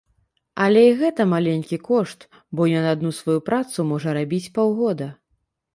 Але і гэта маленькі кошт, бо ён адну сваю працу можа рабіць паўгода.